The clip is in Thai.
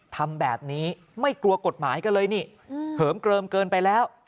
ทำแบบนี้ไม่กลัวกฎหมายกันเลยนี่เหิมเกลิมเกินไปแล้ว